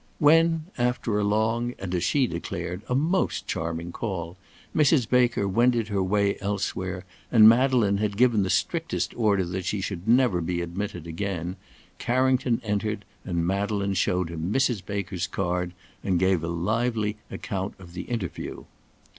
When, after a long, and, as she declared, a most charming call, Mrs. Baker wended her way elsewhere and Madeleine had given the strictest order that she should never be admitted again, Carrington entered, and Madeleine showed him Mrs. Baker's card and gave a lively account of the interview.